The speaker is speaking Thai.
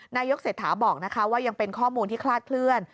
นายกเศรษฐาบอกว่ายังเป็นข้อมูลที่คลาดเคลื่อน